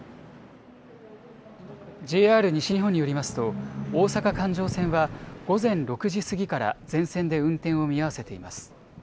ＪＲ西日本によりますと、大阪環状線は午前６時過ぎから全線で運転を見合わせています。